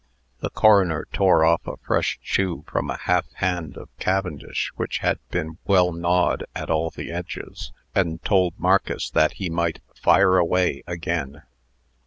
The coroner tore off a fresh chew from a half hand of Cavendish which had been well gnawed at all the edges, and told Marcus that he might "fire away" again.